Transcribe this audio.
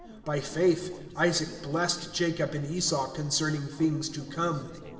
(20)By faith Isaac blessed Jacob and Esau, concerning things to come.